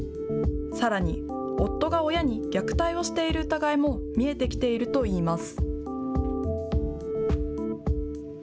さらに夫が親に虐待をしている疑いも見えてきているといいます。